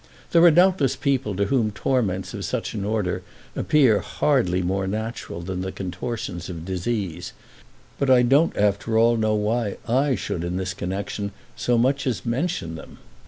There are doubtless people to whom torments of such an order appear hardly more natural than the contortions of disease; but I don't after all know why I should in this connexion so much as mention them.